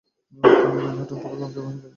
তিনি ম্যানহাটন প্রকল্পে অংশগ্রহণ করেছিলেন।